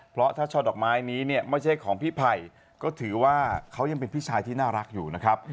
เพราะถ้าช่อดอกไม้นี้เนี่ยไม่ใช่ของพี่ไผ่ก็ถือว่าเขายังเป็นพี่ชายที่น่ารักอยู่นะครับ